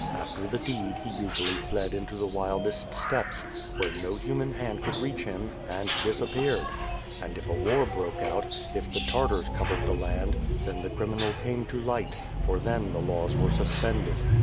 After the deed he usually fled into the wildest steppes, where no human hand could reach him — ^and disappeared; and, if a war broke out, if the Tartars covered the land, then the criminal came to light; for then the laws were suspended.